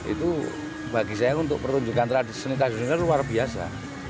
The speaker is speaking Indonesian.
itu bagi saya untuk pertunjukan tradisi seni tradisional luar biasa